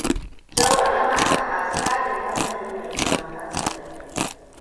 Jauro da Matt masu gadin kamfani mai zaman kansa ne.